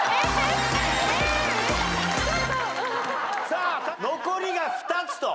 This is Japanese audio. さあ残りが２つと。